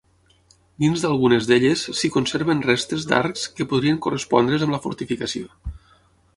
Dins d'algunes d'elles s'hi conserven restes d'arcs que podrien correspondre's amb la fortificació.